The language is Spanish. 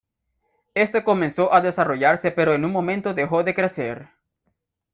Este comenzó a desarrollarse pero en un momento dejó de crecer.